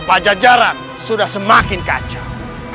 pajajaran sudah semakin kacau